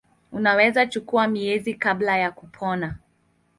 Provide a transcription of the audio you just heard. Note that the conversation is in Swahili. Unaweza kuchukua miezi kabla ya kupona.